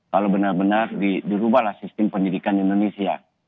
kalau benar benar dirubahlah sistem pendidikan di indonesia